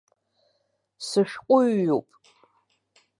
Сышәҟәыҩҩуп!